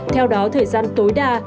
theo đó thời gian tối đa